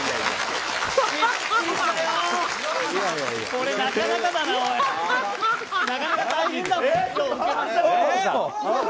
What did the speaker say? これ、なかなか大変だぞ。